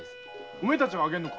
お前たちが上げるのか？